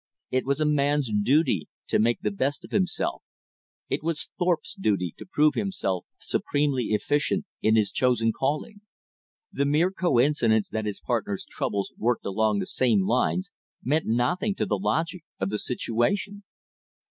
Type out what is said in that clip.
It was a man's duty to make the best of himself, it was Thorpe's duty to prove himself supremely efficient in his chosen calling; the mere coincidence that his partner's troubles worked along the same lines meant nothing to the logic of the situation.